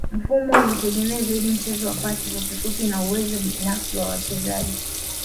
Mfumo ulitegemea zaidi mchezo wa pasi fupi fupi na uwezo binafsi wa wachezaji